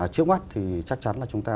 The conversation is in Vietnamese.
trước mắt thì chắc chắn là chúng ta